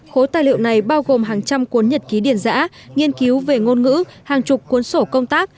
khối tài liệu này bao gồm hàng trăm cuốn nhật ký điển giã nghiên cứu về ngôn ngữ hàng chục cuốn sổ công tác